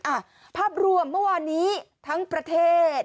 อ่ะภาพรวมเมื่อวานนี้ทั้งประเทศ